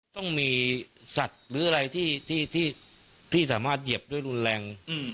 ต้องมีสัตว์หรืออะไรที่สามารถเหยียบด้วยรุนแรง